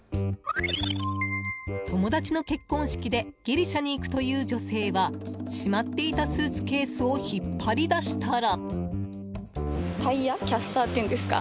友達の結婚式でギリシャに行くという女性はしまっていたスーツケースを引っ張り出したら。